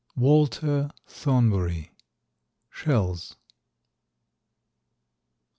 —Walter Thornbury, "Shells."